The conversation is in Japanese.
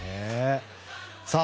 さあ